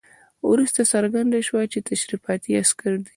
وروسته څرګنده شوه تشریفاتي عسکر دي.